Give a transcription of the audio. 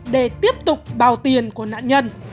để tiếp tục bào tiền của nạn nhân